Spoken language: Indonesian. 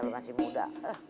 lo masih muda